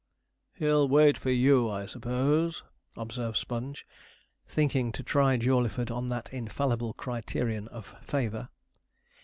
'He'll wait for you, I suppose?' observed Sponge, thinking to try Jawleyford on that infallible criterion of favour.